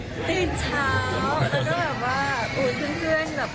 ตื่นเช้าแล้วก็แบบว่าอู๋ซึ่งแบบเห็นต้องงานเยอะมากค่ะ